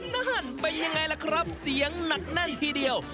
นั่นเป็นยังไงล่ะครับเสียงหนักแน่นทีเดียว